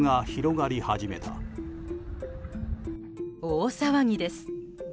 大騒ぎです。